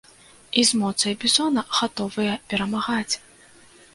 І з моцай бізона гатовыя перамагаць!